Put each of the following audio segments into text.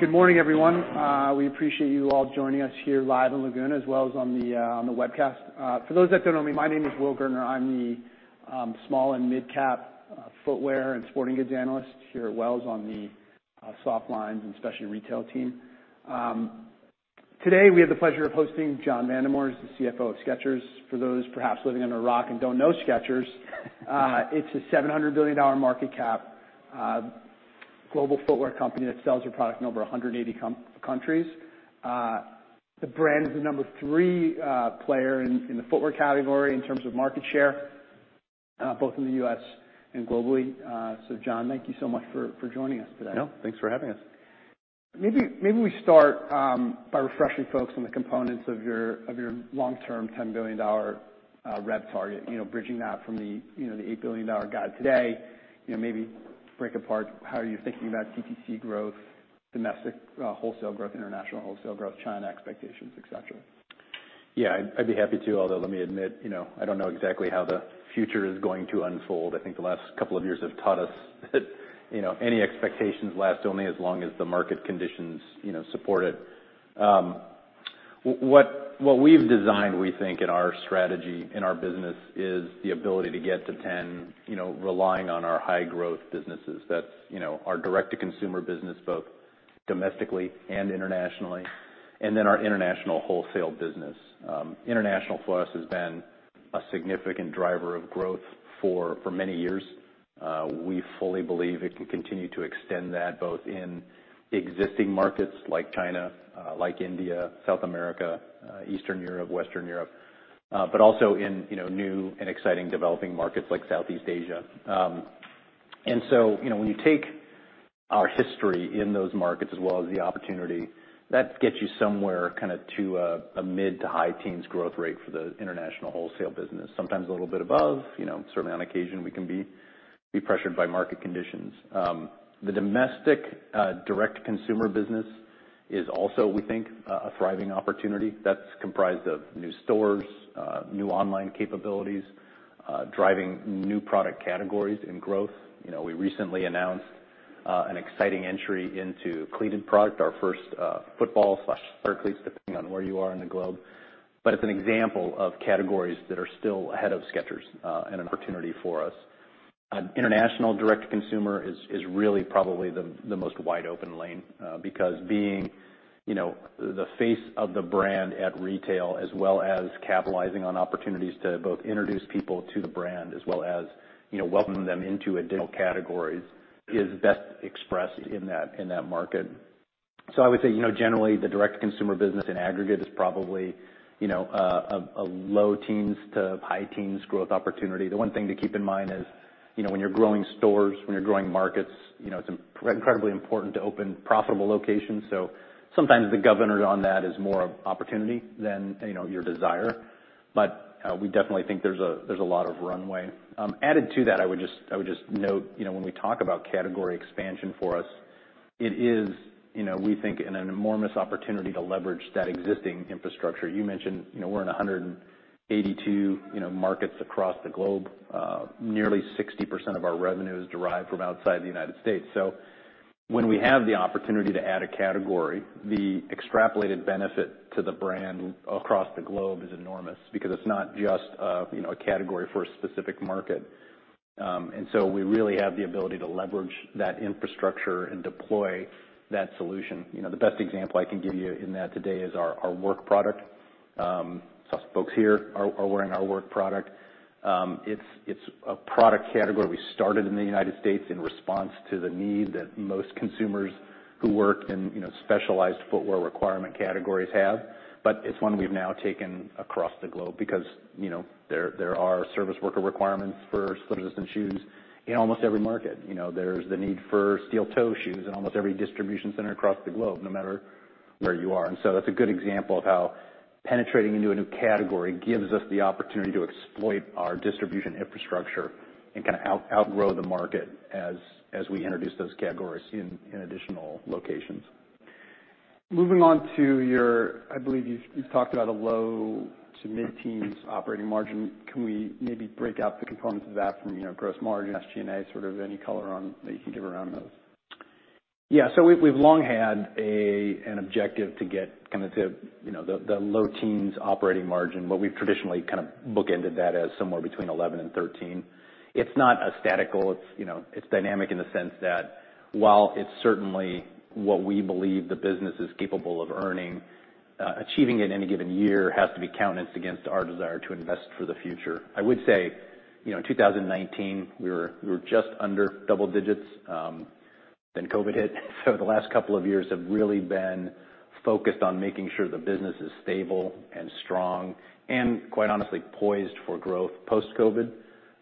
Good morning, everyone. We appreciate you all joining us here live in Laguna, as well as on the webcast. For those that don't know me, my name is Will Gaertner. I'm the small and midcap footwear and sporting goods analyst here at Wells Fargo on the Softlines and specialty retail team. Today, we have the pleasure of hosting John Vandemore, the CFO of Skechers. For those perhaps living under a rock and don't know Skechers, it's a $700 billion market cap global footwear company that sells their product in over 180 countries. The brand is the number three player in the footwear category in terms of market share, both in the U.S. and globally. So John, thank you so much for joining us today. No, thanks for having us. Maybe we start by refreshing folks on the components of your long-term $10 billion rev target. You know, bridging that from the, you know, the $8 billion guide today. You know, maybe break apart how you're thinking about DTC growth, domestic wholesale growth, international wholesale growth, China expectations, etc. Yeah, I'd be happy to, although, let me admit, you know, I don't know exactly how the future is going to unfold. I think the last couple of years have taught us that, you know, any expectations last only as long as the market conditions, you know, support it. What we've designed, we think, in our strategy, in our business, is the ability to get to 10, you know, relying on our high growth businesses. That's, you know, our direct-to-consumer business, both domestically and internationally, and then our international wholesale business. International for us has been a significant driver of growth for many years. We fully believe it can continue to extend that, both in existing markets like China, like India, South America, Eastern Europe, Western Europe, but also in, you know, new and exciting developing markets like Southeast Asia. You know, when you take our history in those markets as well as the opportunity, that gets you somewhere kind of to a mid to high teens growth rate for the international wholesale business, sometimes a little bit above. You know, certainly on occasion, we can be pressured by market conditions. The domestic direct-to-consumer business is also, we think, a thriving opportunity. That's comprised of new stores, new online capabilities, driving new product categories and growth. You know, we recently announced an exciting entry into cleated product, our first football/soccer cleats, depending on where you are in the globe. It's an example of categories that are still ahead of Skechers, and an opportunity for us. International direct-to-consumer is really probably the most wide open lane, because being, you know, the face of the brand at retail, as well as capitalizing on opportunities to both introduce people to the brand, as well as, you know, welcome them into additional categories, is best expressed in that market. So I would say, you know, generally, the direct-to-consumer business in aggregate is probably, you know, a low teens to high teens growth opportunity. The one thing to keep in mind is, you know, when you're growing stores, when you're growing markets, you know, it's incredibly important to open profitable locations. So sometimes the governor on that is more of opportunity than, you know, your desire, but we definitely think there's a lot of runway. I would just note, you know, when we talk about category expansion for us, it is, you know, we think, an enormous opportunity to leverage that existing infrastructure. You mentioned, you know, we're in 182, you know, markets across the globe. Nearly 60% of our revenue is derived from outside the United States. When we have the opportunity to add a category, the extrapolated benefit to the brand across the globe is enormous because it's not just, you know, a category for a specific market. We really have the ability to leverage that infrastructure and deploy that solution. You know, the best example I can give you in that today is our work product. Some folks here are wearing our work product. It's a product category we started in the United States in response to the need that most consumers who work in, you know, specialized footwear requirement categories have. But it's one we've now taken across the globe because, you know, there are service worker requirements for certain shoes in almost every market. You know, there's the need for steel-toe shoes in almost every distribution center across the globe, no matter where you are. And so that's a good example of how penetrating into a new category gives us the opportunity to exploit our distribution infrastructure and kind of outgrow the market as we introduce those categories in additional locations. Moving on to your, I believe you've talked about a low to mid-teens operating margin. Can we maybe break out the components of that from, you know, gross margin, SG&A? Sort of any color on that you can give around those? Yeah. So we've long had an objective to get kind of to, you know, the low teens operating margin, but we've traditionally kind of bookended that as somewhere between 11 and 13. It's not a static goal. It's, you know, it's dynamic in the sense that while it's certainly what we believe the business is capable of earning, achieving at any given year, has to be counterbalanced against our desire to invest for the future. I would say, you know, in 2019, we were just under double digits, then COVID hit. So the last couple of years have really been focused on making sure the business is stable and strong and, quite honestly, poised for growth post-COVID.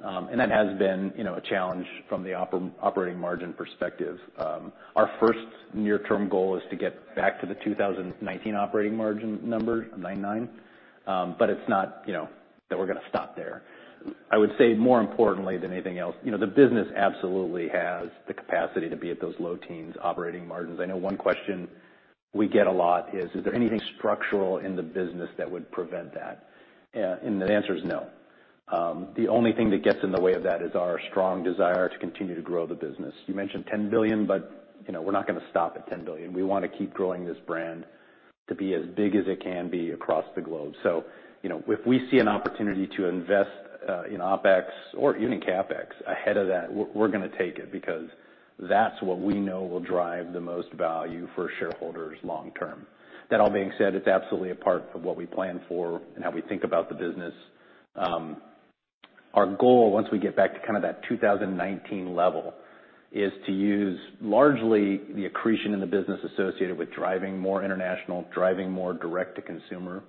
And that has been, you know, a challenge from the operating margin perspective. Our first near-term goal is to get back to the 2019 operating margin number, 9.9%. But it's not, you know, that we're gonna stop there. I would say more importantly than anything else, you know, the business absolutely has the capacity to be at those low teens operating margins. I know one question we get a lot is, is there anything structural in the business that would prevent that? And the answer is no. The only thing that gets in the way of that is our strong desire to continue to grow the business. You mentioned $10 billion, but, you know, we're not gonna stop at $10 billion. We want to keep growing this brand to be as big as it can be across the globe. If we see an opportunity to invest in OpEx or even CapEx ahead of that, we're, we're gonna take it, because that's what we know will drive the most value for shareholders long term. That all being said, it's absolutely a part of what we plan for and how we think about the business. Our goal, once we get back to kind of that 2019 level, is to use largely the accretion in the business associated with driving more international, driving more direct-to-consumer,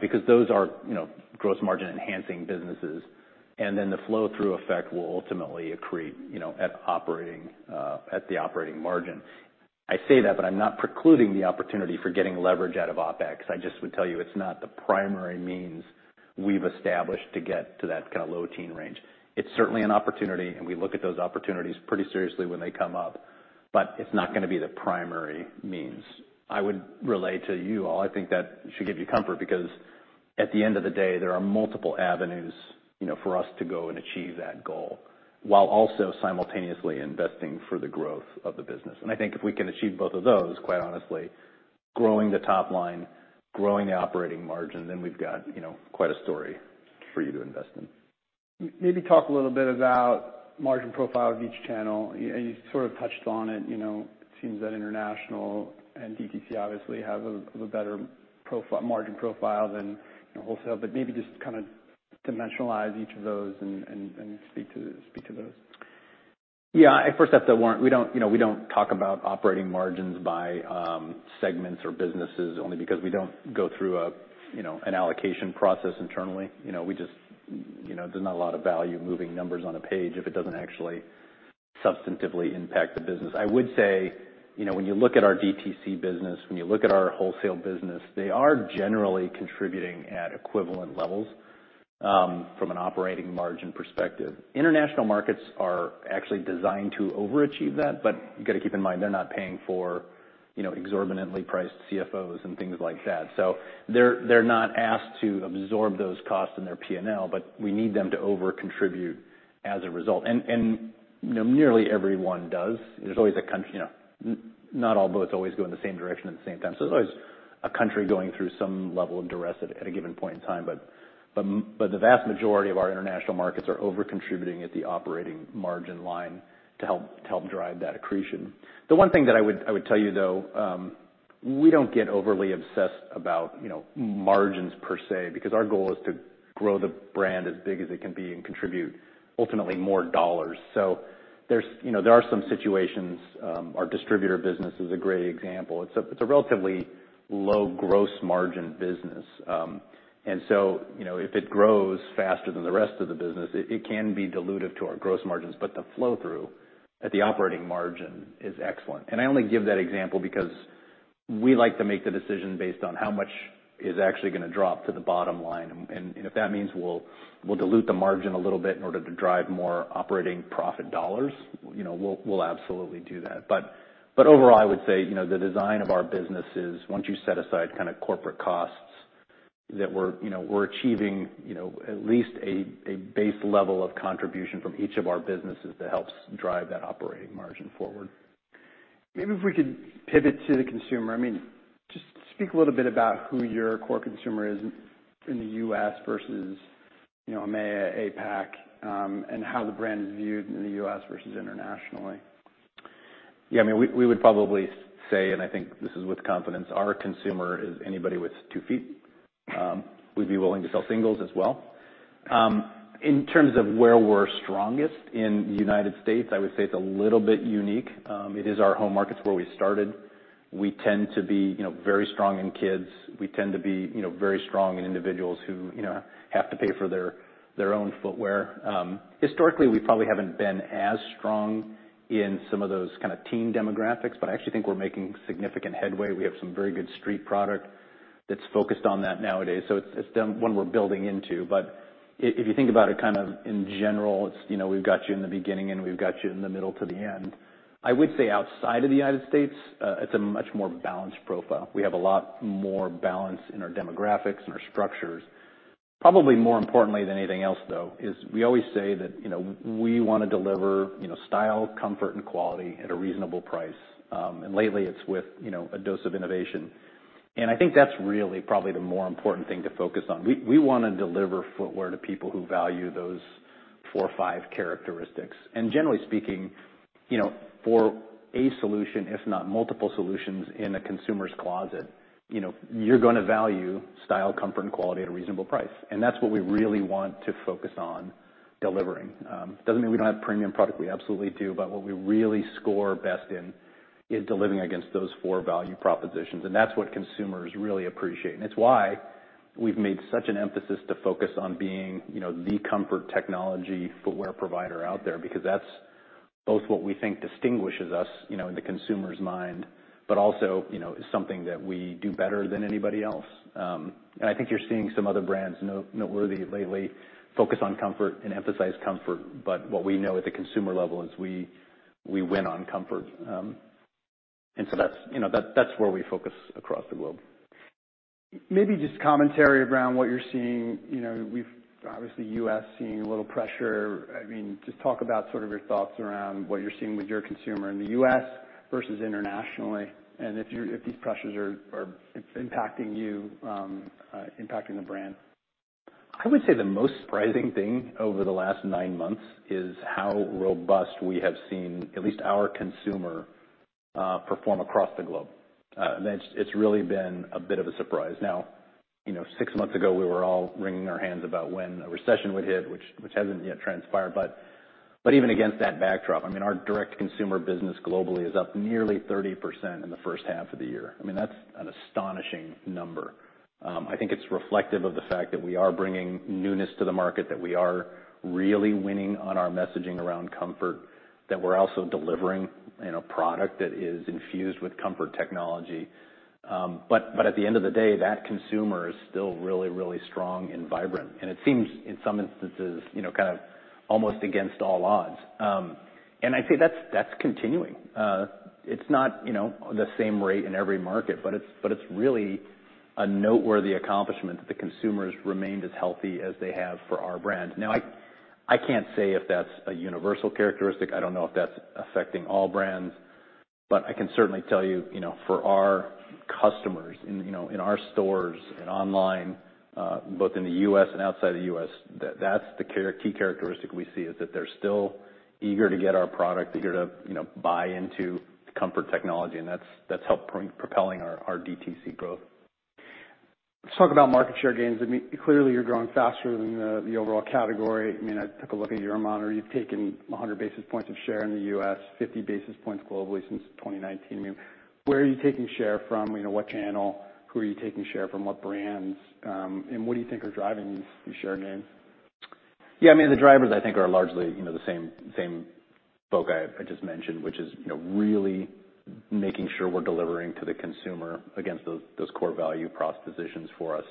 because those are, you know, gross margin enhancing businesses. And then the flow through effect will ultimately accrete, you know, at operating, at the operating margin. I say that, but I'm not precluding the opportunity for getting leverage out of OpEx. I just would tell you, it's not the primary means we've established to get to that kind of low teen range. It's certainly an opportunity, and we look at those opportunities pretty seriously when they come up, but it's not gonna be the primary means. I would relay to you all, I think that should give you comfort, because at the end of the day, there are multiple avenues, you know, for us to go and achieve that goal, while also simultaneously investing for the growth of the business. And I think if we can achieve both of those, quite honestly, growing the top line, growing the operating margin, then we've got, you know, quite a story for you to invest in. Maybe talk a little bit about margin profile of each channel. You, and you sort of touched on it, you know, it seems that international and DTC obviously have a better margin profile than wholesale. But maybe just kind of dimensionalize each of those and, and, and speak to, speak to those. Yeah, I first have to warn, we don't, you know, we don't talk about operating margins by segments or businesses, only because we don't go through a, you know, an allocation process internally. You know, we just, you know, there's not a lot of value moving numbers on a page if it doesn't actually substantively impact the business. I would say, you know, when you look at our DTC business, when you look at our wholesale business, they are generally contributing at equivalent levels from an operating margin perspective. International markets are actually designed to overachieve that, but you gotta keep in mind, they're not paying for, you know, exorbitantly priced CFOs and things like that. So they're, they're not asked to absorb those costs in their P&L, but we need them to over contribute as a result. And, and, you know, nearly everyone does. There's always a, you know, not all boats always go in the same direction at the same time. So there's always a country going through some level of duress at a given point in time, but the vast majority of our international markets are over contributing at the operating margin line to help drive that accretion. The one thing that I would tell you, though, we don't get overly obsessed about, you know, margins per se, because our goal is to grow the brand as big as it can be and contribute, ultimately, more dollars. So there's, you know, there are some situations, our distributor business is a great example. It's a relatively low gross margin business, and so, you know, if it grows faster than the rest of the business, it can be dilutive to our gross margins, but the flow through at the operating margin is excellent. And I only give that example because we like to make the decision based on how much is actually gonna drop to the bottom line. And if that means we'll dilute the margin a little bit in order to drive more operating profit dollars, you know, we'll absolutely do that. But overall, I would say, you know, the design of our business is once you set aside kind of corporate costs, that we're, you know, we're achieving, you know, at least a base level of contribution from each of our businesses that helps drive that operating margin forward. Maybe if we could pivot to the consumer. I mean, just speak a little bit about who your core consumer is in the U.S. versus, you know, EMEA, APAC, and how the brand is viewed in the U.S. versus internationally. Yeah, I mean, we, we would probably say, and I think this is with confidence, our consumer is anybody with two feet. We'd be willing to sell singles as well. In terms of where we're strongest in the United States, I would say it's a little bit unique. It is our home market. It's where we started. We tend to be, you know, very strong in kids. We tend to be, you know, very strong in individuals who, you know, have to pay for their, their own footwear. Historically, we probably haven't been as strong in some of those kind of teen demographics, but I actually think we're making significant headway. We have some very good street product that's focused on that nowadays, so it's, it's one we're building into. If you think about it, kind of in general, it's, you know, we've got you in the beginning, and we've got you in the middle to the end. I would say outside of the United States, it's a much more balanced profile. We have a lot more balance in our demographics and our structures. Probably more importantly than anything else, though, is we always say that, you know, we want to deliver, you know, style, comfort, and quality at a reasonable price. Lately, it's with, you know, a dose of innovation. I think that's really probably the more important thing to focus on. We, we want to deliver footwear to people who value those four or five characteristics. Generally speaking, you know, for a solution, if not multiple solutions, in a consumer's closet, you know, you're gonna value, style, comfort, and quality at a reasonable price. That's what we really want to focus on delivering. Doesn't mean we don't have premium product, we absolutely do, but what we really score best in is delivering against those four value propositions, and that's what consumers really appreciate. It's why we've made such an emphasis to focus on being, you know, the comfort technology footwear provider out there, because that's both what we think distinguishes us, you know, in the consumer's mind, but also, you know, is something that we do better than anybody else. I think you're seeing some other brands noteworthy lately, focus on comfort and emphasize comfort, but what we know at the consumer level is we, we win on comfort. And so that's, you know, that's where we focus across the globe. Maybe just commentary around what you're seeing. You know, we've, obviously, U.S. seeing a little pressure. I mean, just talk about sort of your thoughts around what you're seeing with your consumer in the U.S. versus internationally, and if you're, if these pressures are, are impacting you, impacting the brand. I would say the most surprising thing over the last nine months is how robust we have seen, at least our consumer perform across the globe. It's really been a bit of a surprise. Now, you know, six months ago, we were all wringing our hands about when a recession would hit, which hasn't yet transpired. But even against that backdrop, I mean, our direct consumer business globally is up nearly 30% in the first half of the year. I mean, that's an astonishing number. I think it's reflective of the fact that we are bringing newness to the market, that we are really winning on our messaging around comfort, that we're also delivering, you know, product that is infused with comfort technology. At the end of the day, that consumer is still really, really strong and vibrant, and it seems, in some instances, you know, kind of almost against all odds. I'd say that's continuing. It's not the same rate in every market, but it's really a noteworthy accomplishment that the consumer has remained as healthy as they have for our brand. Now, I can't say if that's a universal characteristic. I don't know if that's affecting all brands, but I can certainly tell you, you know, for our customers in, you know, in our stores and online, both in the U.S. and outside the U.S., that's the key characteristic we see, is that they're still eager to get our product, eager to, you know, buy into comfort technology, and that's helped propelling our DTC growth. Let's talk about market share gains. I mean, clearly, you're growing faster than the overall category. I mean, I took a look at your model, you've taken 100 basis points of share in the U.S., 50 basis points globally since 2019. I mean, where are you taking share from? You know, what channel? Who are you taking share from, what brands? And what do you think are driving these share gains? Yeah, I mean, the drivers, I think, are largely, you know, the same folks I just mentioned, which is, you know, really making sure we're delivering to the consumer against those core value propositions for us.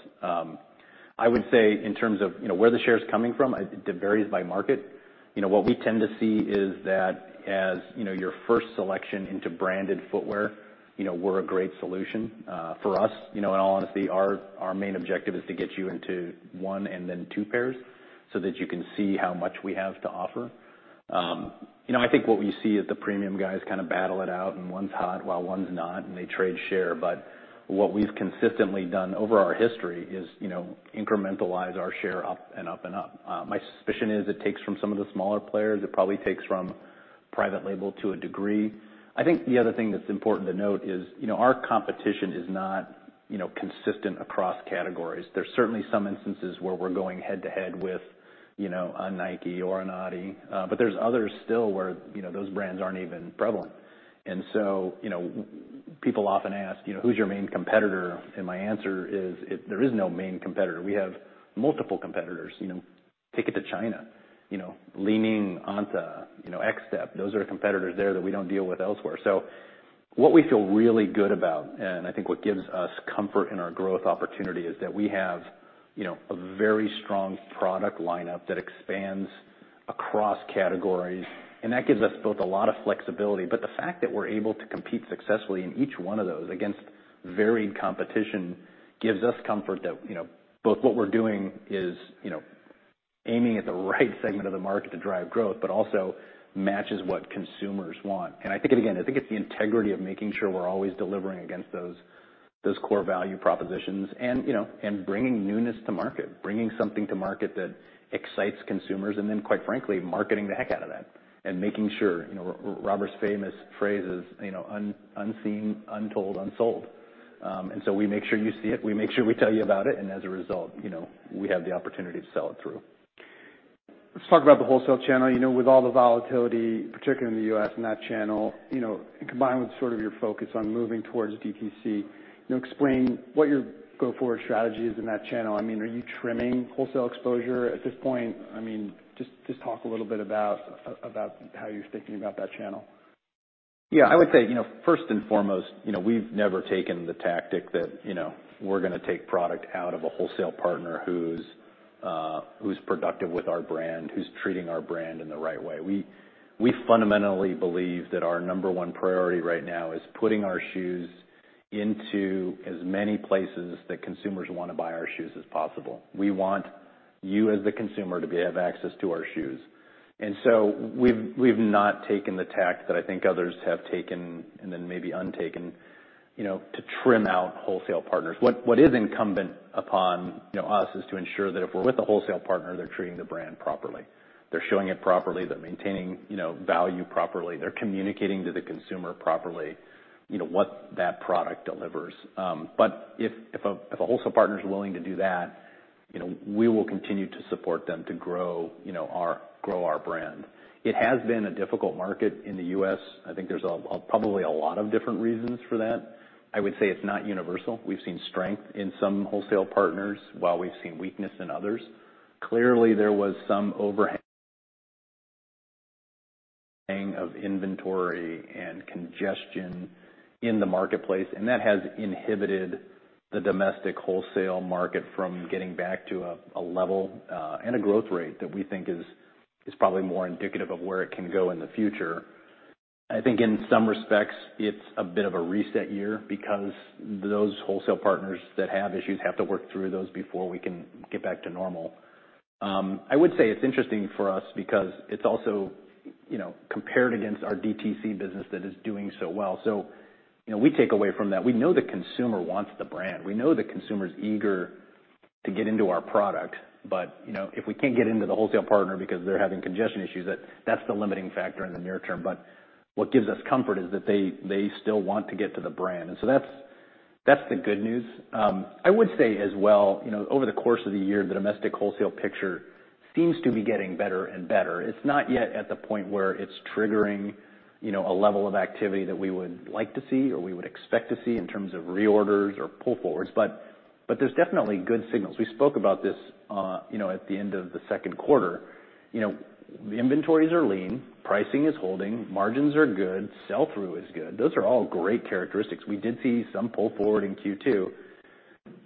I would say in terms of, you know, where the share is coming from, it varies by market. You know, what we tend to see is that as, you know, your first selection into branded footwear, you know, we're a great solution, for us. You know, in all honesty, our main objective is to get you into one and then two pairs, so that you can see how much we have to offer. You know, I think what we see is the premium guys kind of battle it out, and one's hot while one's not, and they trade share. What we've consistently done over our history is, you know, incrementalize our share up and up and up. My suspicion is it takes from some of the smaller players. It probably takes from private label to a degree. I think the other thing that's important to note is, you know, our competition is not, you know, consistent across categories. There's certainly some instances where we're going head-to-head with, you know, a Nike or an adidas, but there's others still where, you know, those brands aren't even prevalent. So, you know, people often ask, "You know, who's your main competitor?" My answer is, there is no main competitor. We have multiple competitors. You know, take it to China, you know, Li-Ning, ANTA, you know, Xtep, those are competitors there that we don't deal with elsewhere. So what we feel really good about, and I think what gives us comfort in our growth opportunity, is that we have, you know, a very strong product lineup that expands across categories, and that gives us both a lot of flexibility. But the fact that we're able to compete successfully in each one of those against varied competition, gives us comfort that, you know, both what we're doing is, you know, aiming at the right segment of the market to drive growth, but also matches what consumers want. And I think, again, I think it's the integrity of making sure we're always delivering against those, those core value propositions and, you know, and bringing newness to market, bringing something to market that excites consumers, and then, quite frankly, marketing the heck out of that and making sure. You know, Robert's famous phrase is, you know, "Unseen, untold, unsold." And so we make sure you see it, we make sure we tell you about it, and as a result, you know, we have the opportunity to sell it through. Let's talk about the wholesale channel. You know, with all the volatility, particularly in the U.S., in that channel, you know, combined with sort of your focus on moving towards DTC, you know, explain what your go-forward strategy is in that channel. I mean, are you trimming wholesale exposure at this point? I mean, just talk a little bit about, about how you're thinking about that channel. Yeah, I would say, you know, first and foremost, you know, we've never taken the tactic that, you know, we're gonna take product out of a wholesale partner who's productive with our brand, who's treating our brand in the right way. We fundamentally believe that our number one priority right now is putting our shoes into as many places that consumers wanna buy our shoes as possible. We want you, as the consumer, to have access to our shoes. We've not taken the tact that I think others have taken, and then maybe untaken, you know, to trim out wholesale partners. What is incumbent upon, you know, us, is to ensure that if we're with a wholesale partner, they're treating the brand properly. They're showing it properly, they're maintaining, you know, value properly, they're communicating to the consumer properly, you know, what that product delivers. But if a wholesale partner is willing to do that, you know, we will continue to support them to grow our brand. It has been a difficult market in the U.S. I think there's probably a lot of different reasons for that. I would say it's not universal. We've seen strength in some wholesale partners, while we've seen weakness in others. Clearly, there was some overhang of inventory and congestion in the marketplace, and that has inhibited the domestic wholesale market from getting back to a level and a growth rate that we think is probably more indicative of where it can go in the future. I think in some respects, it's a bit of a reset year because those wholesale partners that have issues have to work through those before we can get back to normal. I would say it's interesting for us because it's also, you know, compared against our DTC business that is doing so well. So, you know, we take away from that. We know the consumer wants the brand. We know the consumer's eager to get into our product, but, you know, if we can't get into the wholesale partner because they're having congestion issues, that's the limiting factor in the near term. But what gives us comfort is that they, they still want to get to the brand, and so that's the good news. I would say as well, you know, over the course of the year, the domestic wholesale picture seems to be getting better and better. It's not yet at the point where it's triggering, you know, a level of activity that we would like to see or we would expect to see in terms of reorders or pull forwards, but, but there's definitely good signals. We spoke about this, you know, at the end of the second quarter. You know, the inventories are lean, pricing is holding, margins are good, sell-through is good. Those are all great characteristics. We did see some pull forward in Q2.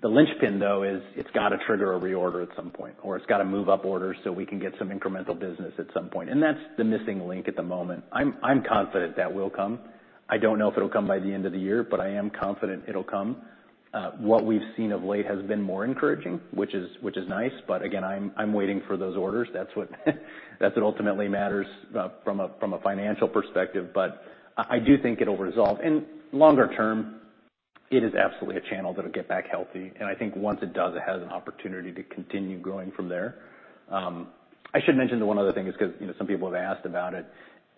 The linchpin, though, is it's got to trigger a reorder at some point, or it's got to move up orders so we can get some incremental business at some point, and that's the missing link at the moment. I'm confident that will come. I don't know if it'll come by the end of the year, but I am confident it'll come. What we've seen of late has been more encouraging, which is nice, but again, I'm waiting for those orders. That's what ultimately matters from a financial perspective. But I do think it'll resolve. And longer term, it is absolutely a channel that'll get back healthy, and I think once it does, it has an opportunity to continue growing from there. I should mention the one other thing, just 'cause, you know, some people have asked about it.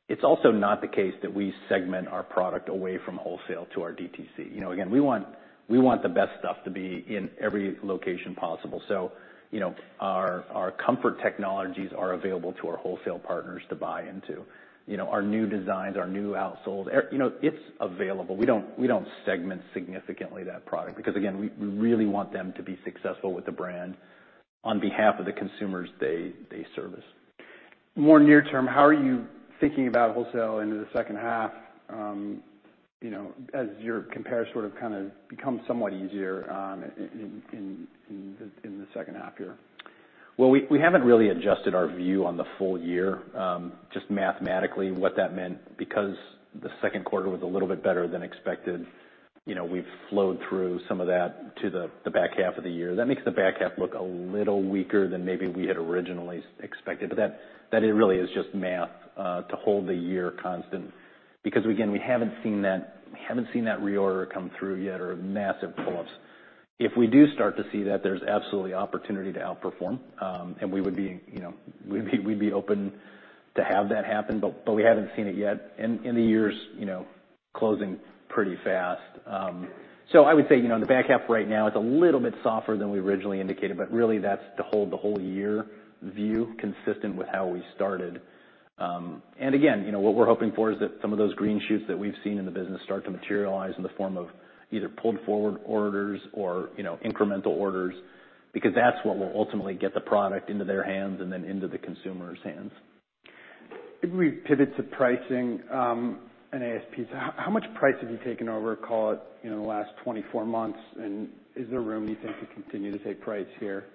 It's also not the case that we segment our product away from wholesale to our DTC. You know, again, we want, we want the best stuff to be in every location possible. So, you know, our comfort technologies are available to our wholesale partners to buy into. You know, our new designs, our new outsoles Air, you know, it's available. We don't segment significantly that product, because again, we, we really want them to be successful with the brand on behalf of the consumers they, they service. More near term, how are you thinking about wholesale into the second half, you know, as your compare sort of, kind of, becomes somewhat easier, in the second half year? Well, we haven't really adjusted our view on the full year. Just mathematically, what that meant, because the second quarter was a little bit better than expected, you know, we've flowed through some of that to the back half of the year. That makes the back half look a little weaker than maybe we had originally expected, but that really is just math, to hold the year constant. Because, again, we haven't seen that, we haven't seen that reorder come through yet or massive pull-ups. If we do start to see that, there's absolutely opportunity to outperform, you know, and we would be, you know, we'd be open to have that happen, but we haven't seen it yet. The year's, you know, closing pretty fast. So I would say, you know, in the back half right now, it's a little bit softer than we originally indicated, but really that's to hold the whole year view consistent with how we started. And again, you know, what we're hoping for is that some of those green shoots that we've seen in the business start to materialize in the form of either pulled forward orders or, you know, incremental orders, because that's what will ultimately get the product into their hands and then into the consumer's hands. If we pivot to pricing and ASPs, how much price have you taken over, call it, in the last 24 months, and is there room, you think, to continue to take price here?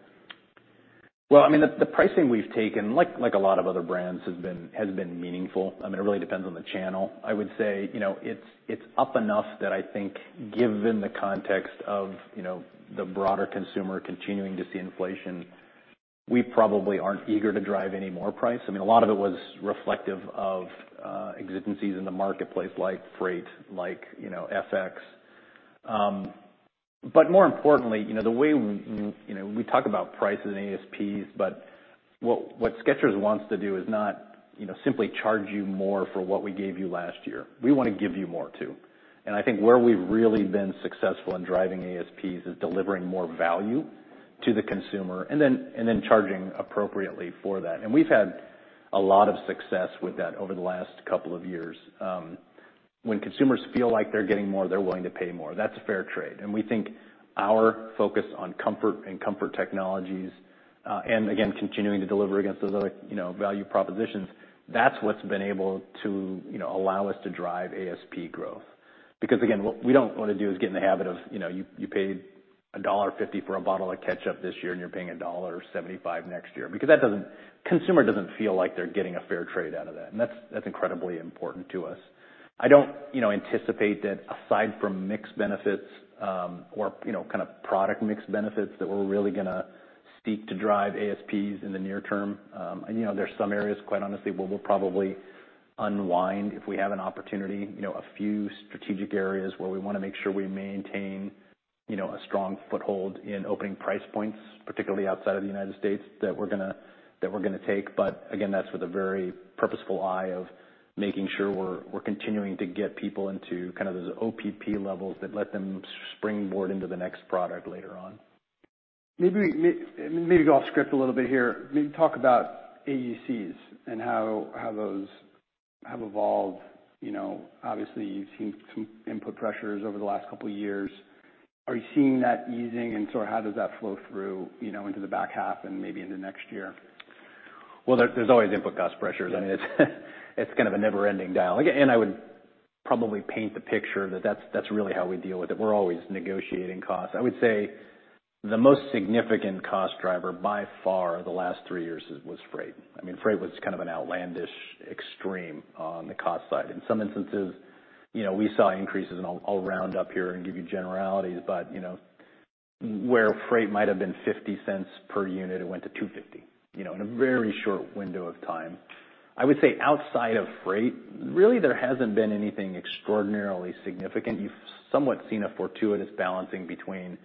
Well, I mean, the, the pricing we've taken, like, like a lot of other brands, has been, has been meaningful. I mean, it really depends on the channel. I would say, you know, it's, it's up enough that I think given the context of, you know, the broader consumer continuing to see inflation, we probably aren't eager to drive any more price. I mean, a lot of it was reflective of exigencies in the marketplace, like freight, like, you know, FX. But more importantly, you know, the way we, you know, we talk about price and ASPs, but what, what Skechers wants to do is not, you know, simply charge you more for what we gave you last year. We want to give you more, too. And I think where we've really been successful in driving ASPs is delivering more value to the consumer, and then charging appropriately for that. And we've had a lot of success with that over the last couple of years. When consumers feel like they're getting more, they're willing to pay more. That's a fair trade, and we think our focus on comfort and comfort technologies, and again, continuing to deliver against those other, you know, value propositions, that's what's been able to, you know, allow us to drive ASP growth. Because again, what we don't want to do is get in the habit of, you know, you, you paid $1.50 for a bottle of ketchup this year, and you're paying $1.75 next year. Because that doesn't, consumer doesn't feel like they're getting a fair trade out of that, and that's, that's incredibly important to us. I don't, you know, anticipate that aside from mixed benefits, or, you know, kind of product mix benefits, that we're really gonna seek to drive ASPs in the near term. And, you know, there's some areas, quite honestly, where we'll probably unwind if we have an opportunity, you know, a few strategic areas where we want to make sure we maintain, you know, a strong foothold in opening price points, particularly outside of the United States, that we're gonna, that we're gonna take. But again, that's with a very purposeful eye of making sure we're, we're continuing to get people into kind of those OPP levels that let them springboard into the next product later on. Maybe go off script a little bit here. Maybe talk about AUCs and how those have evolved. You know, obviously, you've seen some input pressures over the last couple of years. Are you seeing that easing, and so how does that flow through, you know, into the back half and maybe into next year? Well, there's always input cost pressures. I mean, it's kind of a never-ending dial. Again, I would probably paint the picture that's really how we deal with it. We're always negotiating costs. I would say the most significant cost driver by far, the last three years, was freight. I mean, freight was kind of an outlandish extreme on the cost side. In some instances, you know, we saw increases, and I'll round up here and give you generalities. But, you know, where freight might have been $0.50 per unit, it went to $2.50, you know, in a very short window of time. I would say outside of freight, really there hasn't been anything extraordinarily significant. You've somewhat seen a fortuitous balancing between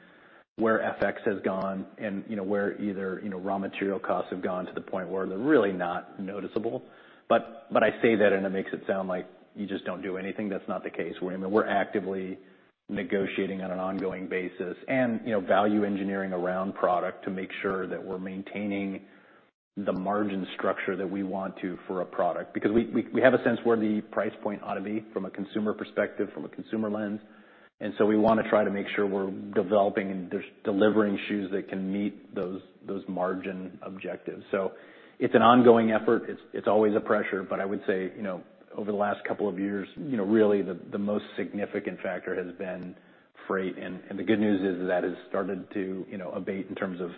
where FX has gone and, you know, where either, you know, raw material costs have gone to the point where they're really not noticeable. But I say that, and it makes it sound like you just don't do anything. That's not the case, William. We're actively negotiating on an ongoing basis and, you know, value engineering around product to make sure that we're maintaining the margin structure that we want to for a product. Because we have a sense where the price point ought to be from a consumer perspective, from a consumer lens, and so we wanna try to make sure we're developing and there's delivering shoes that can meet those margin objectives. So it's an ongoing effort. It's always a pressure, but I would say, you know, over the last couple of years, you know, really, the most significant factor has been freight. And the good news is that has started to, you know, abate in terms of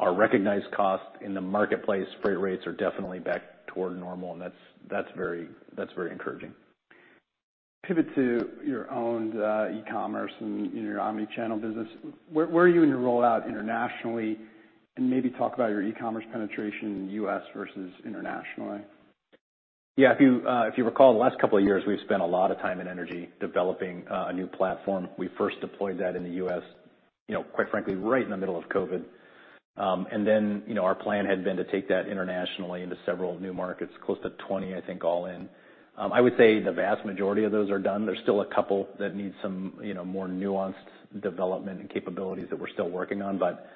our recognized cost in the marketplace. Freight rates are definitely back toward normal, and that's very encouraging. Pivot to your own e-commerce and, you know, your omni-channel business. Where, where are you in your rollout internationally? And maybe talk about your e-commerce penetration in the U.S. versus internationally. Yeah, if you, if you recall, the last couple of years, we've spent a lot of time and energy developing a new platform. We first deployed that in the U.S., you know, quite frankly, right in the middle of COVID. And then, you know, our plan had been to take that internationally into several new markets, close to 20, I think, all in. I would say the vast majority of those are done. There's still a couple that need some, you know, more nuanced development and capabilities that we're still working on. But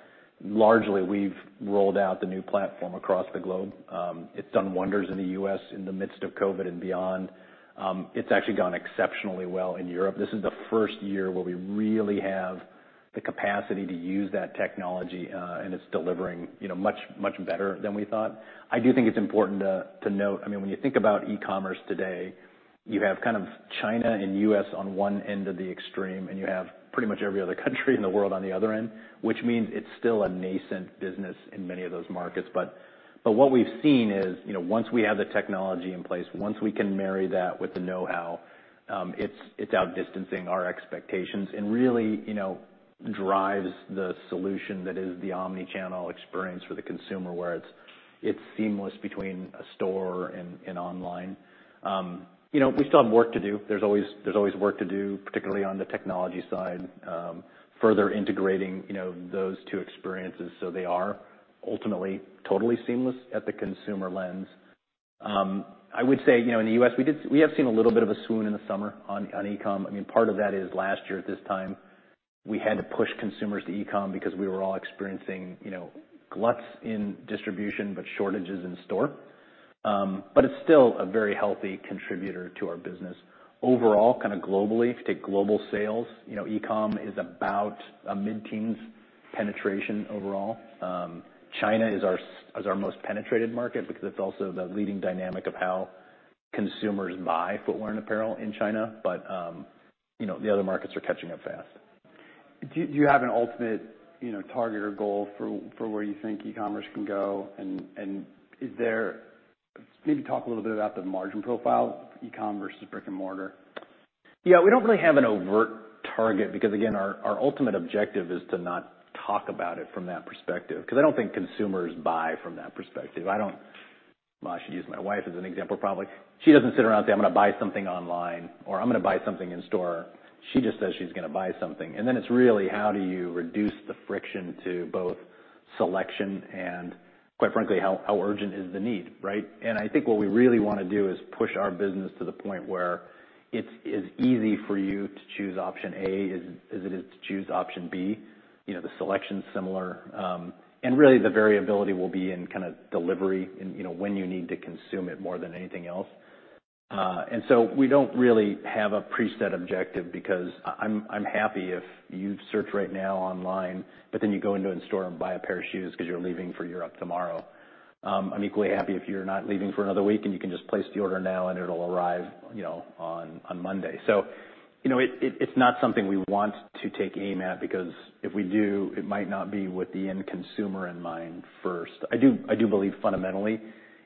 largely, we've rolled out the new platform across the globe. It's done wonders in the U.S. in the midst of COVID and beyond. It's actually gone exceptionally well in Europe. This is the first year where we really have the capacity to use that technology, and it's delivering, you know, much, much better than we thought. I do think it's important to note. I mean, when you think about e-commerce today, you have kind of China and U.S. on one end of the extreme, and you have pretty much every other country in the world on the other end, which means it's still a nascent business in many of those markets. What we've seen is, you know, once we have the technology in place, once we can marry that with the know-how, it's outdistancing our expectations and really, you know, drives the solution that is the omni-channel experience for the consumer, where it's seamless between a store and online. You know, we still have work to do. There's always, there's always work to do, particularly on the technology side, further integrating, you know, those two experiences so they are ultimately totally seamless at the consumer lens. I would say, you know, in the U.S., we have seen a little bit of a swoon in the summer on e-com. I mean, part of that is last year at this time, we had to push consumers to e-com because we were all experiencing, you know, gluts in distribution, but shortages in store. But it's still a very healthy contributor to our business. Overall, kind of globally, if you take global sales, you know, e-com is about a mid-teens penetration overall. China is our most penetrated market because it's also the leading dynamic of how consumers buy footwear and apparel in China. But, you know, the other markets are catching up fast. Do you have an ultimate, you know, target or goal for where you think e-commerce can go? Maybe talk a little bit about the margin profile of e-com versus brick-and-mortar. Yeah, we don't really have an overt target because, again, our, our ultimate objective is to not talk about it from that perspective, because I don't think consumers buy from that perspective. I don't. Well, I should use my wife as an example, probably. She doesn't sit around and say, "I'm gonna buy something online," or, "I'm gonna buy something in store." She just says she's gonna buy something. And then it's really how do you reduce the friction to both selection and, quite frankly, how, how urgent is the need, right? And I think what we really wanna do is push our business to the point where it's as easy for you to choose option A as, as it is to choose option B. You know, the selection's similar, and really, the variability will be in kind of delivery and, you know, when you need to consume it, more than anything else. And so we don't really have a preset objective because I'm happy if you search right now online, but then you go into a store and buy a pair of shoes because you're leaving for Europe tomorrow. I'm equally happy if you're not leaving for another week, and you can just place the order now, and it'll arrive, you know, on Monday. So you know, it's not something we want to take aim at because if we do, it might not be with the end consumer in mind first. I do, I do believe fundamentally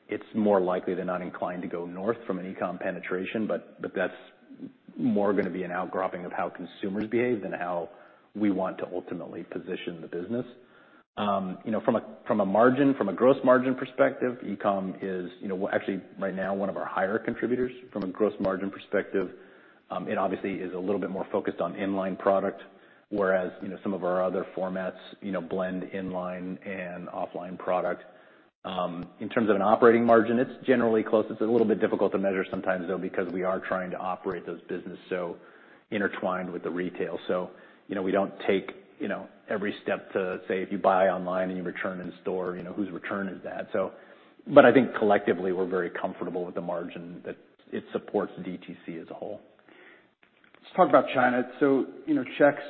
it's more likely than not inclined to go north from an e-com penetration, but that's more gonna be an outcropping of how consumers behave than how we want to ultimately position the business. You know, from a margin, from a gross margin perspective, e-com is, you know, actually, right now, one of our higher contributors from a gross margin perspective. It obviously is a little bit more focused on inline product, whereas, you know, some of our other formats, you know, blend inline and offline product. In terms of an operating margin, it's generally close. It's a little bit difficult to measure sometimes, though, because we are trying to operate those businesses so intertwined with the retail. So, you know, we don't take, you know, every step to say, if you buy online and you return in store, you know, whose return is that? But I think collectively, we're very comfortable with the margin, that it supports DTC as a whole. Let's talk about China. So, you know, checks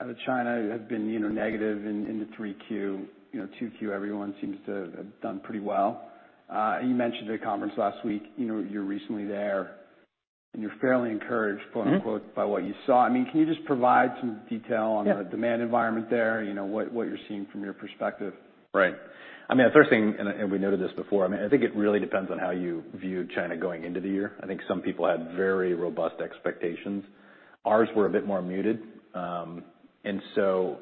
out of China have been, you know, negative in the Q3. You know, Q2, everyone seems to have done pretty well. You mentioned at a conference last week, you know, you were recently there, and you're fairly encouraged, quote, unquote, "by what you saw." I mean, can you just provide some detail on the demand environment there? You know, what, what you're seeing from your perspective. Right. I mean, the first thing, and, and we noted this before, I mean, I think it really depends on how you view China going into the year. I think some people had very robust expectations. Ours were a bit more muted. And so,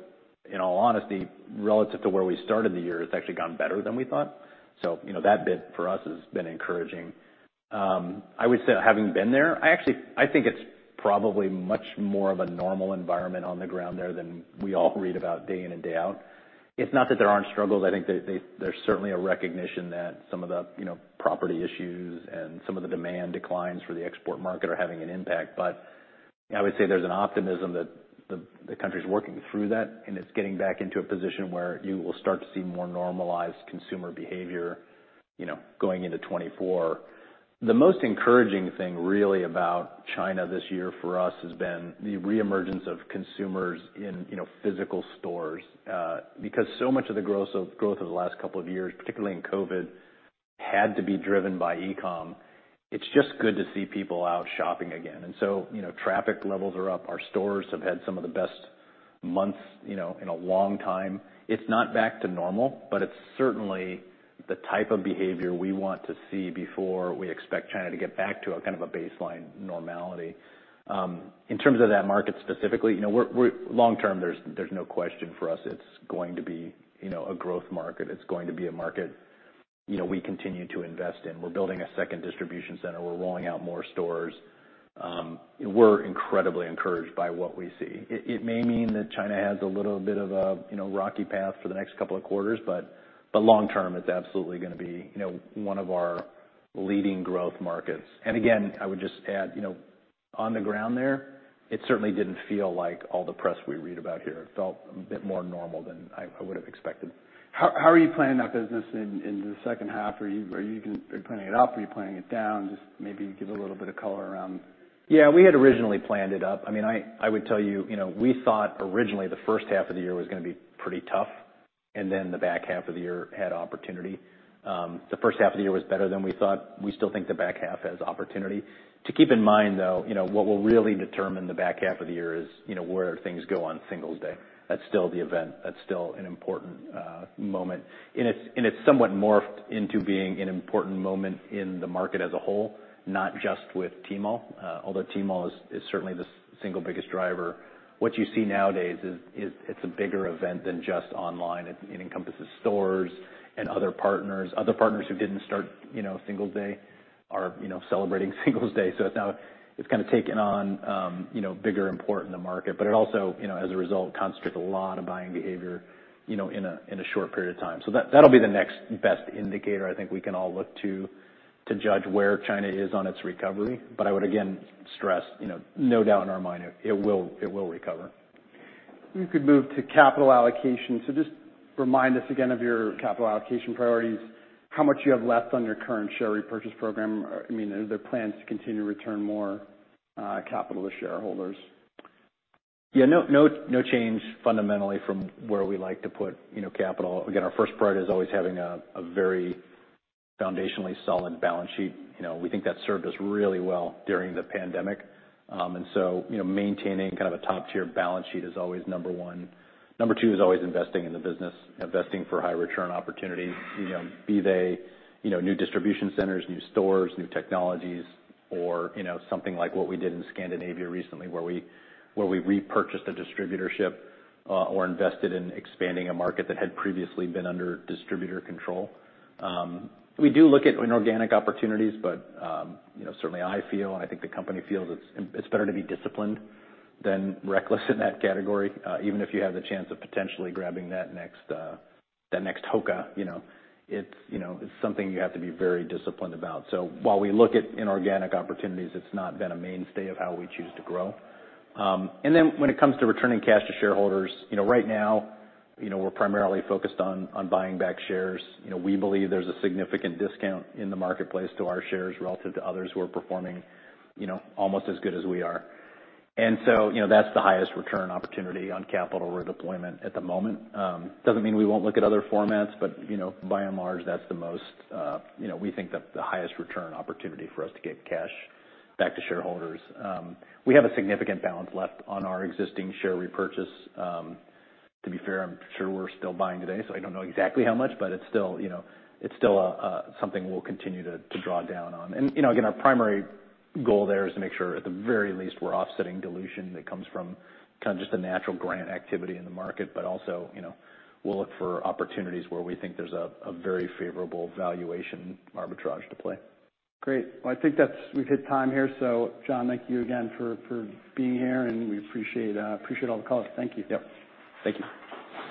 in all honesty, relative to where we started the year, it's actually gone better than we thought. So that bit for us has been encouraging. I would say, having been there, I actually, I think it's probably much more of a normal environment on the ground there than we all read about day in and day out. It's not that there aren't struggles. I think that they, there's certainly a recognition that some of the, you know, property issues and some of the demand declines for the export market are having an impact. But I would say there's an optimism that the country's working through that, and it's getting back into a position where you will start to see more normalized consumer behavior, you know, going into 2024. The most encouraging thing, really, about China this year for us, has been the reemergence of consumers in, you know, physical stores. Because so much of the growth over the last couple of years, particularly in COVID, had to be driven by e-com. It's just good to see people out shopping again. And so, you know, traffic levels are up. Our stores have had some of the best months, you know, in a long time. It's not back to normal, but it's certainly the type of behavior we want to see before we expect China to get back to a kind of a baseline normality. In terms of that market, specifically, you know, we're long term, there's no question for us. It's going to be, you know, a growth market. It's going to be a market, you know, we continue to invest in. We're building a second distribution center. We're rolling out more stores. We're incredibly encouraged by what we see. It may mean that China has a little bit of a, you know, rocky path for the next couple of quarters, but long term, it's absolutely gonna be, you know, one of our leading growth markets. And again, I would just add, you know, on the ground there, it certainly didn't feel like all the press we read about here. It felt a bit more normal than I would've expected. How are you planning that business in the second half? Are you planning it up? Are you planning it down? Just maybe give a little bit of color around. Yeah, we had originally planned it up. I mean, I would tell you, you know, we thought originally the first half of the year was gonna be pretty tough, and then the back half of the year had opportunity. The first half of the year was better than we thought. We still think the back half has opportunity. To keep in mind, though, you know, what will really determine the back half of the year is, you know, where things go on Singles' Day. That's still the event. That's still an important moment. And it's somewhat morphed into being an important moment in the market as a whole, not just with Tmall, although Tmall is certainly the single biggest driver. What you see nowadays is it's a bigger event than just online. It encompasses stores and other partners. Other partners who didn't start, you know, Singles' Day are, you know, celebrating Singles' Day. So it's now- it's kind of taken on, you know, bigger import in the market, but it also, you know, as a result, concentrates a lot of buying behavior, you know, in a, in a short period of time. So that, that'll be the next best indicator I think we can all look to, to judge where China is on its recovery. But I would again stress, you know, no doubt in our mind, it will recover. We could move to capital allocation. So just remind us again of your capital allocation priorities, how much you have left on your current share repurchase program. I mean, are there plans to continue to return more capital to shareholders? Yeah, no change fundamentally from where we like to put, you know, capital. Again, our first priority is always having a very foundationally solid balance sheet. You know, we think that served us really well during the pandemic. And so, you know, maintaining kind of a top-tier balance sheet is always number one. Number two is always investing in the business, investing for high return opportunities, you know, be they, you know, new distribution centers, new stores, new technologies or, you know, something like what we did in Scandinavia recently, where we repurchased a distributorship or invested in expanding a market that had previously been under distributor control. We do look at inorganic opportunities, but, you know, certainly I feel, and I think the company feels, it's better to be disciplined than reckless in that category. Even if you have the chance of potentially grabbing that next, that next HOKA, you know, it's, you know, it's something you have to be very disciplined about. So while we look at inorganic opportunities, it's not been a mainstay of how we choose to grow. And then when it comes to returning cash to shareholders, you know, right now, you know, we're primarily focused on buying back shares. You know, we believe there's a significant discount in the marketplace to our shares relative to others who are performing, you know, almost as good as we are. And so, you know, that's the highest return opportunity on capital redeployment at the moment. Doesn't mean we won't look at other formats, but, you know, by and large, that's the most, you know, we think, the highest return opportunity for us to get cash back to shareholders. We have a significant balance left on our existing share repurchase. To be fair, I'm sure we're still buying today, so I don't know exactly how much, but it's still, you know, it's still, something we'll continue to draw down on. You know, again, our primary goal there is to make sure, at the very least, we're offsetting dilution that comes from kind of just the natural grant activity in the market, but also, you know, we'll look for opportunities where we think there's a very favorable valuation arbitrage to play. Great. Well, I think that's. We've hit time here. So John, thank you again for being here, and we appreciate all the color. Thank you. Yep. Thank you.